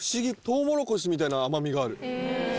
トウモロコシみたいな甘みがある。